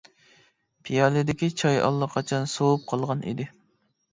پىيالىدىكى چاي ئاللىقاچان سوۋۇپ قالغان ئىدى.